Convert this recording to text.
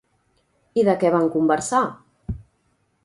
I de què van conversar?